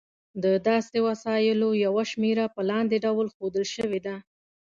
د داسې وسایلو یوه شمېره په لاندې ډول ښودل شوې ده.